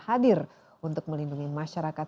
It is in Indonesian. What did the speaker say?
hadir untuk melindungi masyarakat